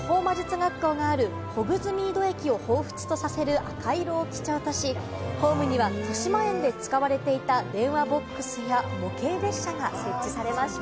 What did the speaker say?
学校があるホグズミード駅をほうふつとさせる赤色を基調とし、ホームには、としまえんで使われていた電話ボックスや模型列車が設置されました。